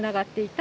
た